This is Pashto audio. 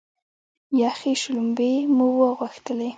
یخې شلومبې مو غوښتلې.